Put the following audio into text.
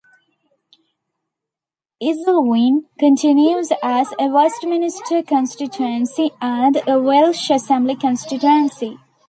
Islwyn continues as a Westminster constituency and a Welsh Assembly constituency.